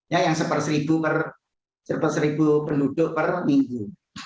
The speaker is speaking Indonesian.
ya yang satu per seribu penduduk per minggu